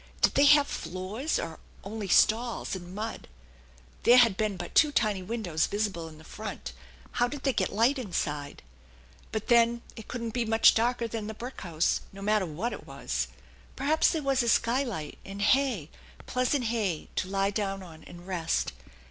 Did they have floors, or only stalls and mud? There had been but two tiny windows visible in the front ; how did they get light inside ? But then it couldn't be much darker than the brick house, no matter what it wss. Perhaps there was a skylight, and hay, pleasant hay, to lie down on and rest.